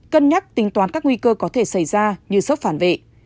cân nhắc tính toán các nguy cơ có thể xảy ra như sốc phản vệ